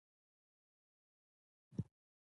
ګوسپلن د پلان جوړونې یو پیاوړی بنسټ و.